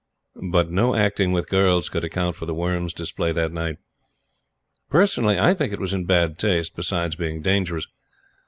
But no acting with girls could account for The Worm's display that night. Personally, I think it was in bad taste. Besides being dangerous.